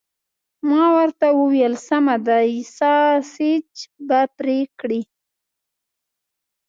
ما ورته وویل: سمه ده، ساسیج به پرې کړي؟